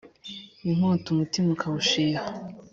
inkota umutima ukawushiha